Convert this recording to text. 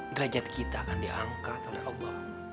derajat kita akan diangkat oleh allah